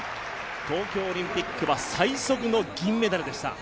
東京オリンピックは最速の銀メダルでした。